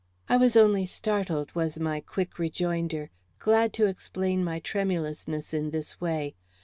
"I was only startled," was my quick rejoinder, glad to explain my tremulousness in this way.